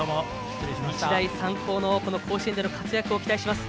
日大三高の甲子園での活躍を期待します。